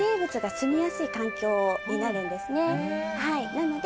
なので。